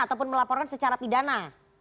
ataupun melaporan secara pidana